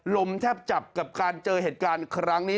แทบจับกับการเจอเหตุการณ์ครั้งนี้